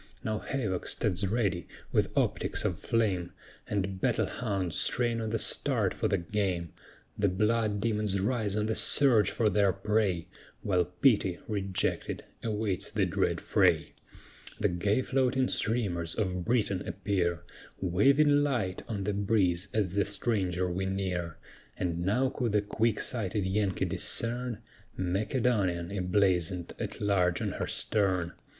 Now havoc stands ready, with optics of flame, And battle hounds "strain on the start" for the game; The blood demons rise on the surge for their prey, While Pity, rejected, awaits the dread fray. The gay floating streamers of Britain appear, Waving light on the breeze as the stranger we near; And now could the quick sighted Yankee discern "Macedonian," emblazoned at large on her stern.